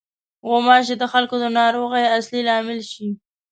غوماشې د خلکو د ناروغۍ اصلي لامل شي.